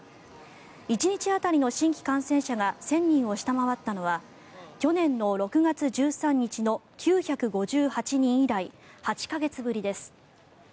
１日当たりの新規感染者が１０００人を下回ったのは去年の６月１３日の９５８人以来、８か月ぶりです。